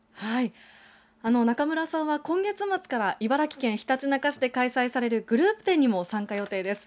中村さんは今月末から茨城県ひたちなか市で開催されるグループ展にも参加予定です。